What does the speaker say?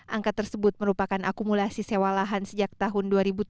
angka tersebut merupakan akumulasi sewa lahan sejak tahun dua ribu tujuh belas